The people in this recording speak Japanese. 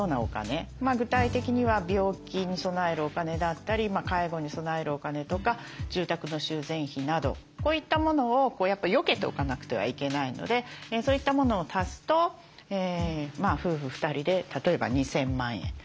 具体的には病気に備えるお金だったり介護に備えるお金とか住宅の修繕費などこういったものをよけておかなくてはいけないのでそういったものを足すと夫婦２人で例えば２，０００万円。